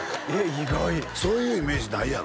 意外そういうイメージないやろ？